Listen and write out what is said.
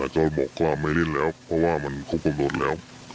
ก็บอกว่าไม่เล่นแล้วเพราะว่ามันคุกคลมโดดแล้ว